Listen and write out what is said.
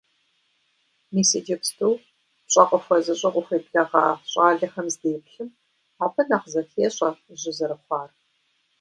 Мис иджыпсту, пщӀэ къыхуэзыщӀу къыхуеблэгъа щӀалэхэм здеплъым, абы нэхъ зыхещӀэ жьы зэрыхъуар.